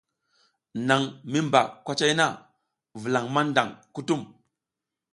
Naƞ mi mba kwacay na, vulaƞ maƞdaƞ kutum.